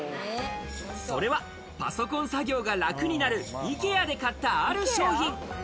それはパソコン作業が楽になる、ＩＫＥＡで買ったある商品。